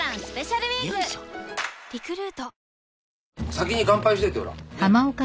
先に乾杯しといてほら。